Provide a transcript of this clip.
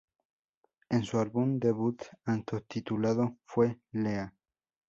En su álbum debut auto-titulado fue, Leah.